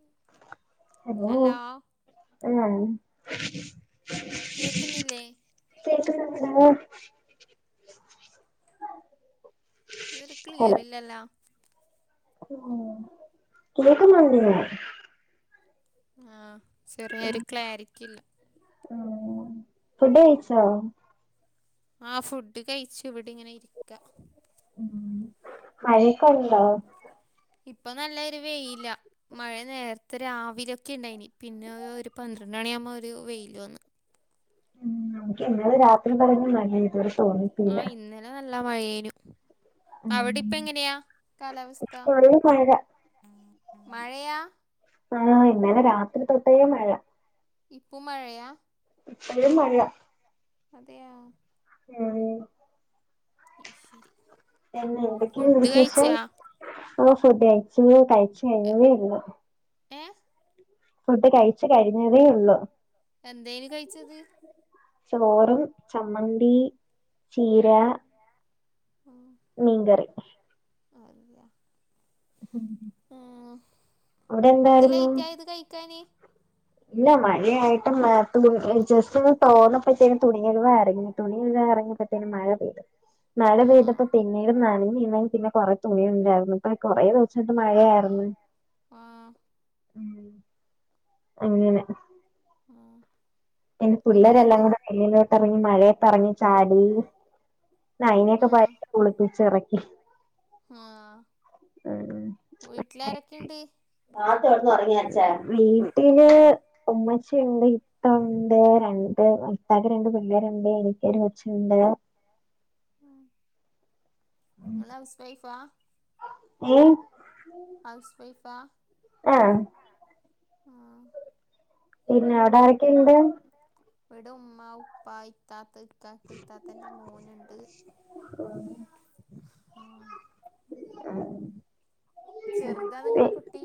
ഉം ഹലോ ഉം കേക്ക്ന്നില്ലേ കേക്കുന്നുണ്ടാടാ ഇതൊരു ക്ലിയർ ഇല്ലല്ല കേക്കുന്നുണ്ട് ഞാ ആഹ് ചെറിയ ഒരു ക്ലാരിറ്റി ഇല്ല ഉം ഫുഡ്‌ കഴിച്ചോ ആ ഫുഡ് കഴിച്ചു ഇവിടെ ഇങ്ങനെ ഇരിക്ക ഉം മഴക്കെണ്ടോ ഇപ്പൊ നല്ലൊരു വെയില മഴ നേരത്തെ രാവിലൊക്കെ ഇണ്ടായിനി പിന്നെ ഒരു പന്ത്രണ്ട് മണിയമ്പോ ഒരു വെയില് വന്ന് ഉം നമുക്ക് ഇന്നലെ രാത്രി മഴയാ നനഞ്ഞ് ആഹ് ഇന്നലെ നല്ല മഴേനും അവിടെ ഇപ്പ എങ്ങനെയാ കാലാവസ്ഥ ഫുള്ള് മഴ മഴയാ ആ ഇന്നലെ രാത്രി തൊട്ടേ മഴ ഇപ്പ മഴയ ഇപ്പഴും മഴയ അതെയ ഉം അയിശരി പിന്നെ എന്തൊക്കെണ്ട് വിശേഷം അവ ഫുഡ് കഴിച്ചുത് കഴിച്ച് കഴിഞ്ഞേതെ ഇള്ളൂ എ ഫുഡ് കഴിച്ച് കഴിഞ്ഞതേ ഉള്ളു എന്തേനു കഴിച്ചത് ചോറും ചമ്മന്തി ചീര ഉം മീൻ കറി അതെയാ ഉം അവിടെ എന്തായിരുന്നു ലൈറ്റ് അത് കഴിക്കാന് ഇല്ല മഴയായിട്ട് മറ്റു തു ക്ക് ജസ്റ്റ് ഒന്ന് തോന്നപ്പഴത്തെനും തുണിഴുവറങ്ങി തുണികഴുകഇറങ്ങിപ്പാ - തേനും മഴ പെയ്ത് മഴ ആ പെയ്തപ്പോ പിന്നീട് നനഞ്ഞ് ന്നി ഇന്നെന പിന്നെ കുറെ തുണിണ്ടായിരുന്നു ഇപ്പൊ കുറേ ദിവസയിട്ട് മഴയായിരുന്നു ആഹ് ഉം അങ്ങനെ ഉം പിന്ന പിള്ളരെല്ലാം കൂടെ വെളിലോട്ടിറങ്ങി മഴയത്ത് ഇറങ്ങി ചാടി ന്നാ ആ അയിനൊക്കെ പയ് കുളിപ്പിച്ച് ഇറക്കി. ആഹ് വീട്ട്ലാരൊക്കെണ്ട്? [unintelligible] വീട്ടില് ഉമ്മച്ചിണ്ട് - ണ്ട് രണ്ട് വത്താക്ക് രണ്ട് പിള്ളേരുണ്ട് എനിക്കരു കൊച്ചുണ്ട്. ങ്ങളെ ഹൗസ് വൈഫാ. ഏഹ്. ഹൗസ് വൈഫാ. ആഹ്. ആ പിന്ന അടെ ആരൊക്കെണ്ട്? വിടുമ്മ, ഉപ്പ, ഇത്താത്ത, ഇക്കക്ക ഇത്താത്തന്റെ മോനുണ്ട്. [inaudible] ആഹ്. എ. ചെറുതാ വി നിങ്ങളെ കുട്ടി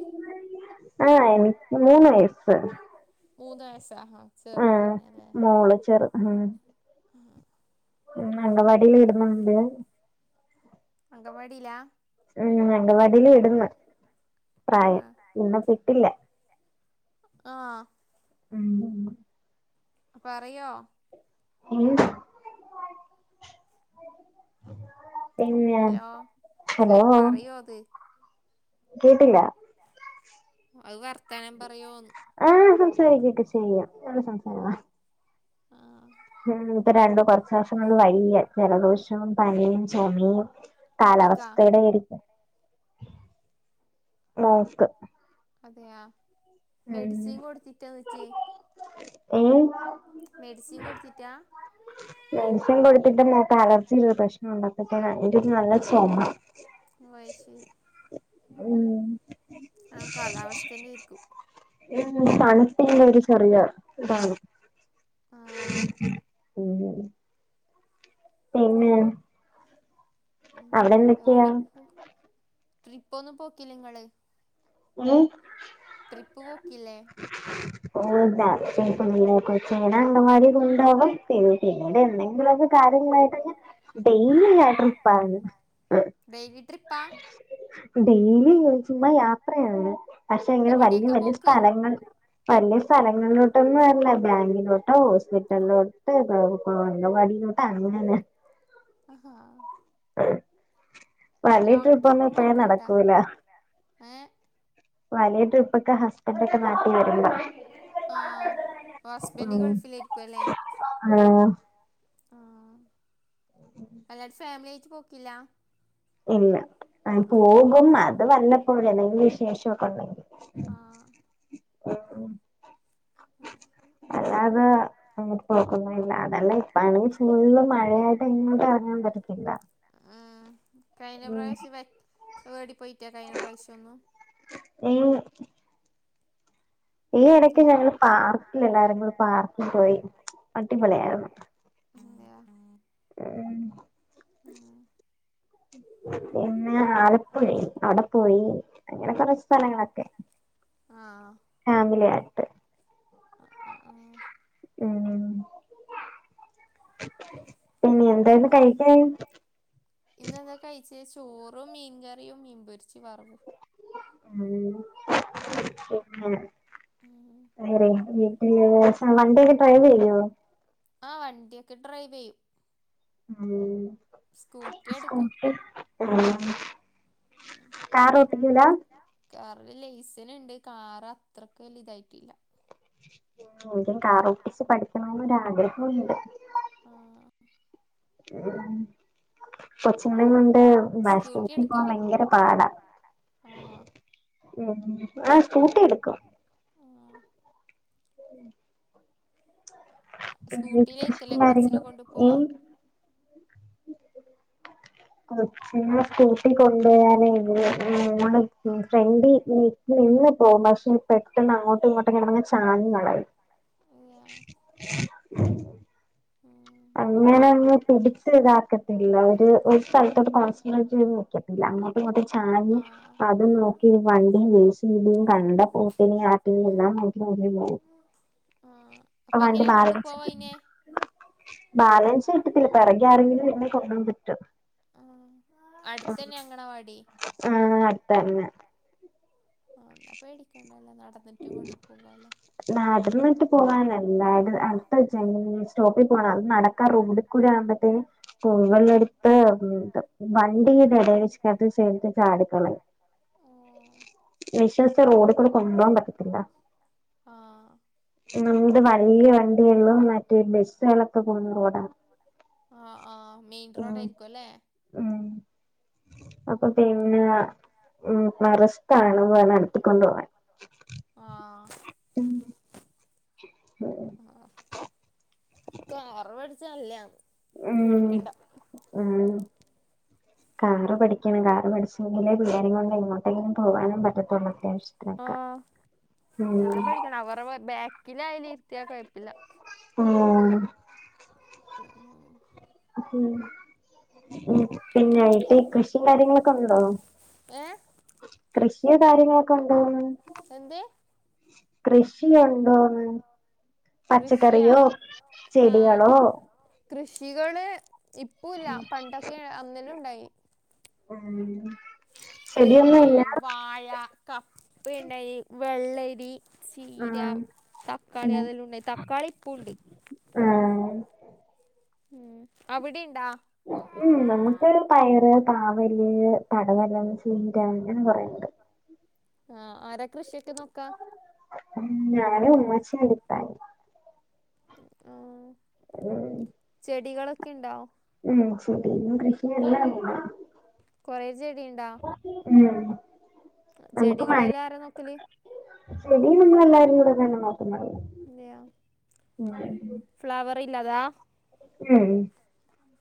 അ അയ്ന് മൂന്ന് വയസ്സ്. എ മുന്നുവയസ ഹാ. ആഹ് മോള് ചെറു ഉം. [inaudible] ഉം. അംഗവാടില് വിടുന്നുണ്ട്. അംഗവാടിലാ? ഉം. അംഗവാടിൽ വിടുന്ന്, ആ പ്രായം ഇന്ന് വിട്ടില്ല. ആഹ്. ഉം. പറയോ? ഉം. പിന്നെ ഹലോ കേ ഹലോ പറയോ ത്? കേട്ടില്ല. അവ് വർത്താനം പറയോന്ന്? ആഹ് സംസാരിക്കൊക്കെ ചെയ്യും. നല്ല സംസാരവാ. അ ആഹ്. ഉം. ഇപ്പൊ രണ്ട് കൊർച്ചോസം കൊണ്ട് വയ്യ. ജലദോഷവും പനിയും ചൊമിം കുട്ടിക്കാ കാലാവസ്ഥയുടെരിക്കും. മോക്ക്. അതെയാ മെഡിസി ഉം കൊട്ത്തിട്ട്. [unintelligible] ഏ? മെഡിസിൻ കൊടുത്തിട്ടാ? മെഡിസിൻ കൊടുത്തിട്ട് മോക്ക ലർജിയു പ്രശ്നണ്ട് [unintelligible] നല്ല ചൊമ. ഉ അത് ശി. ഉം. ആ കാലാവസ്ഥന്നെര്ക്കും. എം തണുപ്പിന്റെരു ചെറിയ താണ്. ആഹ്. ഉം. പിന്നെ? ഉം അവിടെ എന്തൊക്കെയാ [unintelligible] ട്രിപ്പൊന്നും പോക്കില്ലേ ങ്ങള്? ഉം. ട്രിപ്പ് പോക്കില്ലേ? ഓൾഡാ. [unintelligible] അംഗവാടി കൊണ്ടോകും പിന്നെ പിന്നീട് എന്തെങ്കിലൊക്കെ കാര്യങ്ങളായിട്ടങ്ങ് ഡെയലി അ ട്രിപ്പാ പ്പ ഡെയിലി ചുമ്മാ യാത്രയാണ് പക്ഷെ ഇങ്ങനെ വല്യ എവിടെയൊക്കെ വല്യ പോക്ക് സ്ഥലങ്ങൾ വല്ല്യ സ്ഥലങ്ങളിലോട്ടൊന്നും അല്ല ബാങ്കിലോട്ടോ ഹോസ്പിറ്റൽലോട്ട് [unintelligible] അങ്കൻവാടി. [inaudible] ആഹാ വലിയ ലോങ് ട്രിപ്പ് ട്രിപ്പൊന്നുപ്പഴേ പോക്ക്ണ്ടാ നടക്കൂല. ഏ വലിയ ട്രിപ്പൊക്ക ഹസ്ബന്റൊക്ക നാട്ടീവരുമ്പം ആഹ് പ ഹസ്ബന്റ് ഗൾഫിലായിരിക്കു അല്ലേ? ആഹ് ആഹ്. അല്ലാട് ഫാമില്യാട്ട് പോക്കില്ലാ? ഇല്ല. ആൻ പോകും അത് വല്ലപ്പോഴെന്തെങ്കിൽ വിശേഷൊക്കെണ്ടെങ്കിൽ. [inaudible] ആ [unintelligible] അല്ലാതാ അങ്ങട്ട് പോക്കൊന്നു ഇല്ല. അതല്ല ഇപ്പാണെങ്കി ഫുള്ള് മഴയായിട്ട് എങ്ങോട്ടു എറങ്ങാപറ്റത്തില്ല. ആഹ് കഴിഞ്ഞ പ്രാവശ്യ വെ [unintelligible] പോയിറ്റാ കഴിഞ്ഞ പ്രാവശ്യൊന്നു. എയ്മ് ഈ എടക്ക് ഈയിടക്ക് ഞങ്ങള് ഞങ്ങള്പാർക്കിലെല്ലാരും കൂട പാർക്കിലുണ്ടായിരുന്നു പാർക്കിൽ പോയി പാർക്ക് അടിപൊളിയാരുന്നു. [inaudible] [inaudible] ആഹ് പിന്നെ ആലപ്പുഴെ ആട പോയി. അങ്ങനെ കൊറച്ച് സ്ഥലങ്ങളൊക്കെ ആഹ് ഫാമിലിയാട്ട്. അ അ ആഹ് ഊം. ഇനി എന്തായിന്ന് കഴിക്കാൻ? ഇന്നെന്താ കഴിച്ചെ? ചോറും മീങ്കറിയും മീൻപൊരിച്ച് വറവും. ഊം. ഓക്കെ. ഉം [unintelligible] അ വൺ ഡേക്ക് ട്രൈ ചെയ്യോ? ആഹ് വണ്ടിയൊക്കെ ഡ്രൈവെയ്യും. ഊം സ്കൂട്ടി എടുക്കും [inaudible] ഉം കാറോട്ടിക്കൂലാ? കാറില് ലൈസന്ണ്ട് കാറത്രക്ക് വല്ല്യതായിറ്റ്ല്ല. ഉം. എനിക്കും കാറോട്ടിച്ച് പഠിക്കണംന്ന് ഒരാഗ്രഹൊണ്ട്. ആഹ്. [inaudible] കൊച്ചുങ്ങളെയും കൊണ്ട് സ്കൂട്ടി ബസ്റ്റോപിൽ പോകാൻ എടുക്കോ ഭയങ്കര പാടാ. ആഹ്. ഉം ആഹ് സ്കൂട്ടി എടുക്കും. ആഹ് [inaudible] സ്കൂട്ടിയിലായിരിക്കല്ലേ കൊച്ചിനെ കൊണ്ടു പോവാ [unintelligible] കൊച്ചിന് സ്കൂട്ടി കൊണ്ടോകാനേള്ളൂ [unintelligible] ഉം. ഫ്രണ്ടി നിന്ന് പോകും പക്ഷെ പെട്ടെന്ന് അങ്ങോട്ടും ഇങ്ങോട്ടും ഇങ്ങനെ ചാഞ്ഞു കളയും യ്യാ ഊം. അങ്ങനെയങ്ങ് പിടിച്ച് താക്കത്തില്ല ഒരു ഒരു സ്ഥലത്തോട്ട് [unintelligible] ല്ല. അങ്ങോട്ടും ഇങ്ങട്ടും ചാഞ്ഞ് ആഹ് അതും നോക്കി വണ്ടിയും [unintelligible] ങേ ന്നാ [unintelligible] ആഹ് അപ്പൊ എങ്ങനെയാ കൊണ്ടു ബാലൻസ് പോവാ അയിനെ? ബാലൻസ് കിട്ടത്തില്ല പിറകെ ആരെങ്കിലും [unintelligible] അടുത്തന്നെയാ അംഗണവാടി. ആഹ് അട്ത്തെന്നാ. ആ ന്നാ പേടിക്കണ്ടല്ല നടന്നിട്ടും കൊണ്ട് പോവാലോ. നടന്നിട്ട് പോവാനല്ല അടുത്ത [unintelligible] സ്റ്റോപ്പ്. അത് നടക്കാ റോഡിൽക്കൂടെ ആവുമ്പഴത്തേ പൂവല എടുത്ത് വണ്ടിടെട വെച്ചിക്ക [unintelligible] ചാടിക്കളയും [inaudible] വിശ്വസിച്ച് റോഡി കൂടെ കൊണ്ടുപോകാൻ പറ്റ ആഹ്. ത് വല്ല്യ വണ്ടിയേള്ളൂ മറ്റേ ബസ്സുകളൊക്കെ പോന്ന റോഡ. ആ ആ മെയിൻ റോഡ് ആയിരിക്കും. ല്ലേ? ആഹ് അപ്പൊ പിന്നെ ഉ രിഷ്ക്കാണ് നടത്തി ക്കൊണ്ട് പോവാൻ. ആഹ് ഉം ആ കാർ [unintelligible] ഉം ഉ കാറ് ഉം പഠിക്കണം കാറ് പഠിച്ച എവിടേം പിള്ളേരേം കൊണ്ട് എങ്ങോട്ടെങ്കിലും പോകാനും പറ്റ ആ ഉം പഠിക്കണം അവരെ ബാക്കില അയലും ഇരുത്തിയാ കുഴപ്പില്ല. ഉം ഉം ഉം ഉ പിന്നായിട്ട് [unintelligible] കാര്യങ്ങളൊക്കെ ഉണ്ടോ ഏഹ് കൃഷിയ കാര്യങ്ങളൊക്കെ ഉണ്ടോന്നു എന്ത് കൃഷിയ ന്തോന്ന്‌ കൃഷിയാ പച്ചക്കറിയോ, ആഹ് ചെടികളോ. കൃഷികള് ഇപ്പൊല്ല പണ്ടൊക്കെ അനങലും ഉണ്ടായി ആഹ് ഏ വാഴ, കപ്പണ്ടായി, വെള്ളരി. ചീര, ആഹ് തക്കാളി അതെല്ലാംണ്ടായി തക്കാളി ഇപ്പുണ്ട്. ആഹ് ഉം അവിടെയ്ണ്ടാ? ഉം നമുക്ക് പയറ്, പാവല്, പടവെലം, ചീര, അങ്ങനെ കുറേണ്ട്. ആ ആരാ കൃഷിയൊക്കെ നോക്കാ? ഉ ഞാന്, ഉമ്മച്ചി, അടിതയി. ആഹ് ഉം ചെടികളൊക്കെ ഇണ്ടോ? ഉം ചെടിയും ഉം കൃഷിയെല്ലാണ്ട്. കുറെ ചെടിണ്ടോ? ഉം നമുക്ക് മഴ ചെടികളെല്ലാം ആര നോക്കല്? ചെടി നമ്മളെല്ലാരും കൂടെ തന്നെ നോക്കുന്നത്. അതെയാ ഫ്ലവർ ഇല്ലാതാ? ഉം ഇ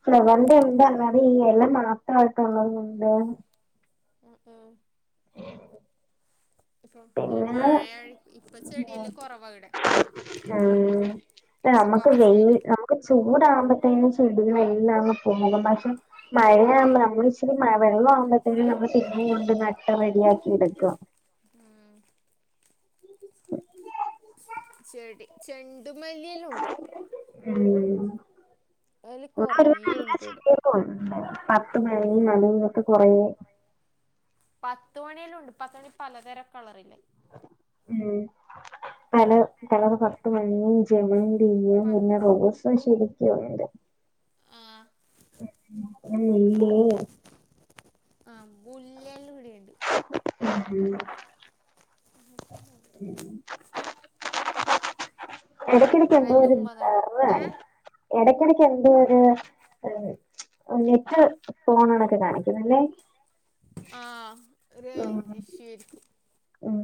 ഫ്ലവോർ എന്ത അ എല്ലാം മാത്രമായിട്ടോള്ളും ഉണ്ട്. ആഹ്, ആഹ് ഇപ്പൊ പിന്നെ മഴഴായ് ഇപ്പൊ ചെടിയെല്ലാം. കൊറവായ്ടെ. ഉ നമ്ക്ക് വെയ് വെയില് ഇപ്പ ചൂടാകുമ്പോത്തേനും ചെടികളെല്ലാം അങ്ങ് പോവും. പക്ഷെ മഴയാമ്പ നമ്മള് ഇച്ചരി വെള്ളം ആവുമ്പോഴത്തേനും നമ്മള് പിനിം കൊണ്ട് നട്ടം റെഡിയാക്കി എടുക്കുക ആഹ് ചെടി ചെണ്ടുമല്ലില്ലാം ഉണ്ട്. ഉ അതില് കൊറേ [unintelligible] ഉണ്ട് ഇവിടെ പത്ത് മഴ നലങ്ങക്ക് കൊറേ പത്ത്മണിയെല്ലാം ഉണ്ട് പത്ത്മണി പലതരം കളറില്ല്. ഉം തല തല പത്ത് മണി, ജമന്തി, പ പിന്നെ റോസ് ശരിക്കുംണ്ട് ആഹ് ഉല്ലേ ആഹ് മുല്ലന്റെള്ളിണ്ട് ഉം ഇടക്കിടക്ക് എന്തോര് അതെല്ലാം ഉമ്മ നടും എറർ ഏഹ് ഇടക്കിടക്ക് എന്തോരു നെറ്റ് ഫോണണൊക്കെ കാണിക്കുന്നത് ല്ലെ ആ ഉം റൈഞ്ചു ഇഷ്യൂ ആയിരിക്കും ഉം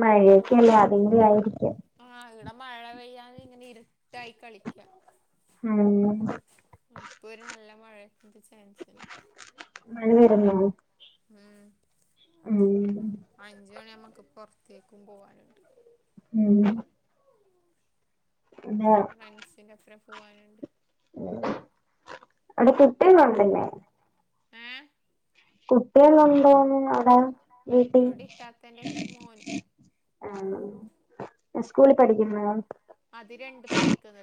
മഴയൊക്കെല്ലേ അതിന്റെ ആയിരിക്കും ആ ഇവിടെ മഴ പെയ്യാതെ ഇങ്ങനെ ഇരുട്ടായി കളിക്ക ഉം ഇപ്പൊ ഒരു നല്ല മഴന്റെ ചാൻസ് ഇണ്ട് മഴ വരുന്നോ മ് മ് അഞ്ച മണി നമ്മുക്ക് പൊറത്തേക്കും പോവാനുണ്ട് ഉം അതാ ഫ്രണ്ട്സിന്റെ ഒപ്പരം പോവാനുണ്ട് അവിടെ കുട്ടിന്ന്ണ്ടല്ലേ ഏ കുട്ടിൾ ഉണ്ടോന്ന് ന്നടാ വീട്ടി ഇവിടെ ഇത്താത്തന്റെ മോന് ആ സ്കൂളി പഠിക്കുന്ന അത് രണ്ട് പഠിക്കുന്ന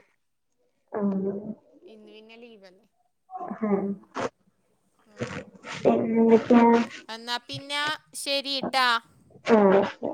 ആഹ് ഇന്ന് പിന്നെ ലീവലേ ആഹ് ആ പിന്നെന്തൊക്കെയാ എന്നാ പിന്നെ ശരി ട്ടാ ആ ശരി